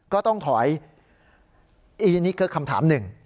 ก็ต้องถอยอันนี้คือคำถามหนึ่ง